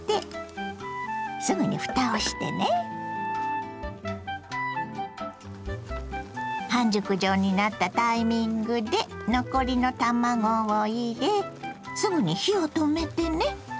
まず半熟状になったタイミングで残りの卵を入れすぐに火を止めてね。